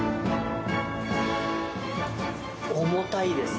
重たいです。